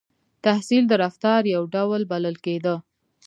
• تحصیل د رفتار یو ډول بلل کېده.